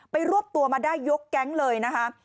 รวบตัวมาได้ยกแก๊งเลยนะคะ